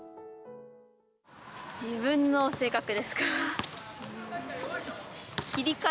自分の性格ですか。